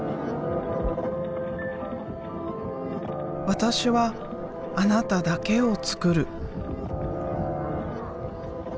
私はあなただけを作る。